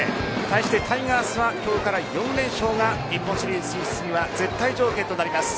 対してタイガースは今日から４連勝が日本シリーズ進出には絶対条件となります。